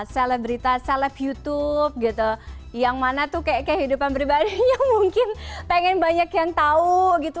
selebritas seleb youtube gitu yang mana tuh kayak kehidupan pribadinya mungkin pengen banyak yang tahu gitu